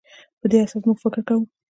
په دې اساس موږ فکر کوو.